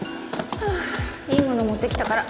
いいもの持ってきたから。